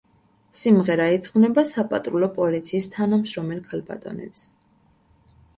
სიმღერა ეძღვნება საპატრულო პოლიციის თანამშრომელ ქალბატონებს.